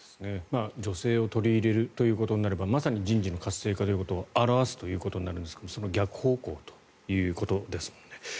女性を取り入れるということになればまさに人事の活性化ということを表すということになるんですがその逆方向ということですもんね。